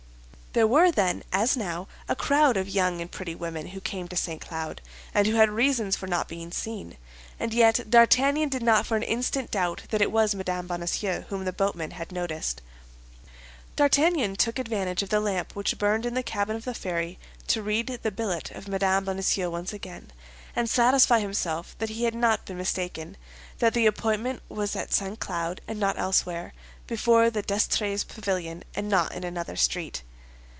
There were then, as now, a crowd of young and pretty women who came to St. Cloud, and who had reasons for not being seen, and yet D'Artagnan did not for an instant doubt that it was Mme. Bonacieux whom the boatman had noticed. D'Artagnan took advantage of the lamp which burned in the cabin of the ferryman to read the billet of Mme. Bonacieux once again, and satisfy himself that he had not been mistaken, that the appointment was at St. Cloud and not elsewhere, before the D'Estrées's pavilion and not in another street.